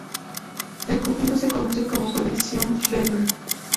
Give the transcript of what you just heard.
El conjunto se conoce como "Colección Bellver".